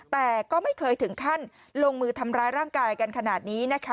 แต่ก็ไม่เคยถึงขั้นลงมือทำร้ายร่างกายกันขนาดนี้นะคะ